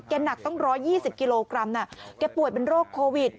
หนักตั้ง๑๒๐กิโลกรัมแกป่วยเป็นโรคโควิด